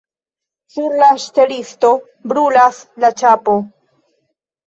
Sur la ŝtelisto brulas la ĉapo.